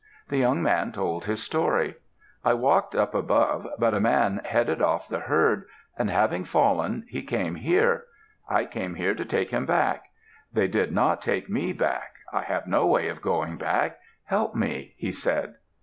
The young man told his story. "I walked up above, but a man headed off the herd, and having fallen, he came here. I came here to take him back. They did not take me back; I have no way of going back. Help me," he said.